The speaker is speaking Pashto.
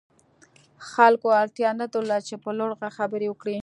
خلکو اړتيا نه درلوده چې په لوړ غږ خبرې وکړي.